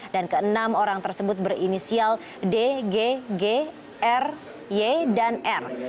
dan ke enam orang tersebut berinisial d g g r y dan r